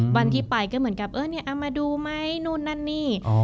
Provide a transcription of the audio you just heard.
วันที่ไปก็เหมือนกับเออเนี่ยเอามาดูไหมนู่นนั่นนี่